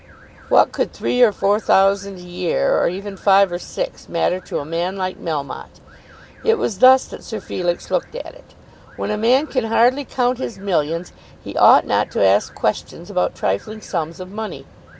What could three or four thousand a year, or even five or six, matter to a man like Melmotte? It was thus that Sir Felix looked at it. When a man can hardly count his millions he ought not to ask questions about trifling sums of money.